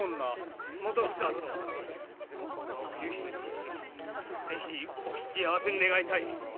基房殿その冬姫殿に是非お引き合わせ願いたい。